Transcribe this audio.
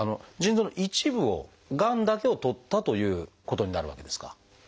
腎臓の一部をがんだけをとったということになるわけですか？